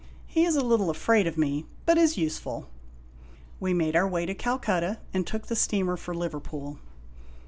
He is a little afraid of me, but is useful. We made our way to Calcutta, and took the steamer for Liverpool.